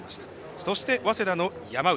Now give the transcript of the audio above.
そして、早稲田の山内。